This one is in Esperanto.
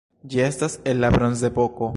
Ĝi estas el la bronzepoko.